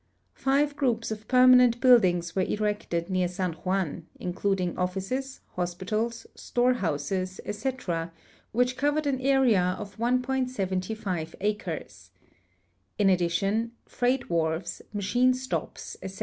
Five groU])S of ])erman('nt buildings were erected near San Juan, ineluding olliees, hospitals, storehouses, etc., which covered an area of 1 i{ acres. In addition, freight wharves, machine sho|»s, etc.